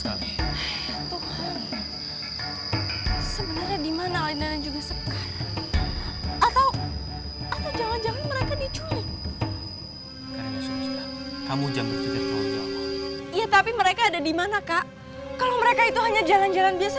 kalau mereka itu hanya jalan jalan biasa